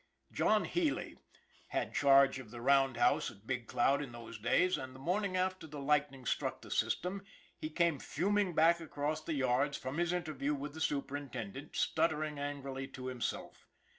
John Healy had charge of the roundhouse at Big Cloud, in those days, and the morning after the light ning struck the system he came fuming back across the yards from his interview with the superintendent, stuttering angrily to himself.